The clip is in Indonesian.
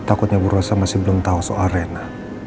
takutnya bu rosa masih belum tahu soal rena